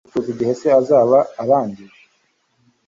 Azakora ubucuruzi igihe se azaba arangije